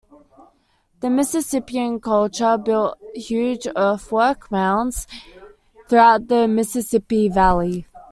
The Mississippian culture built huge earthwork mounds throughout the Mississippi Valley.